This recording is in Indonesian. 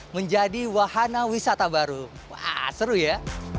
menjadi wahana wisata baru wah seru ya